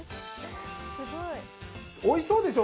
おいそうでしょ？